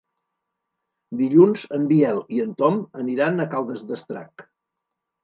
Dilluns en Biel i en Tom aniran a Caldes d'Estrac.